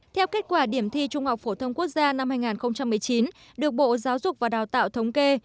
theo kết quả điểm thi trung học phổ thông quốc gia năm hai nghìn một mươi chín được bộ giáo dục và đào tạo thống kê